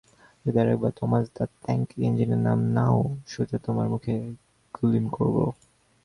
যদি আরেকবার Thomas the tank ইঞ্জিনের নাম নাও, সোজা তোমার মুখে গুলি করবো।